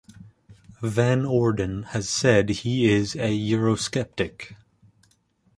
Van Orden has said he is a eurosceptic.